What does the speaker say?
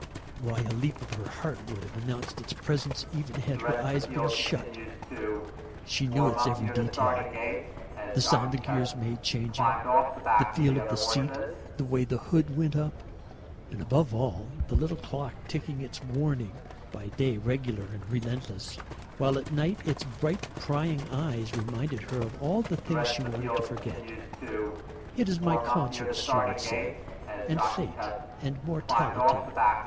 Why, a leap of her heart would have announced its presence, even had her eyes been shut. She knew its every detail, the sound the gears made changing, the feel of the seat, the way the hood went up. And, above all, the little clock, ticking its warning by day, regular and relentless, while at night its bright prying eyes reminded her of all the things she wanted to forget. "It is my conscience," she would say, "and fate and mortality.